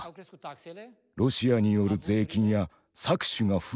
ロシアによる税金や搾取が増えていたのです。